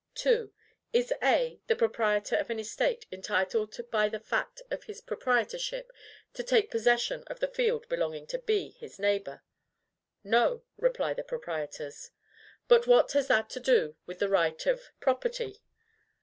II. Is A, the proprietor of an estate, entitled by the fact of his proprietorship to take possession of the field belonging to B. his neighbor? "No," reply the proprietors; "but what has that to do with the right of property?"